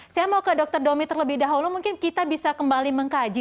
saya mau ke dr domi terlebih dahulu mungkin kita bisa kembali mengkaji